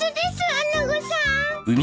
穴子さん。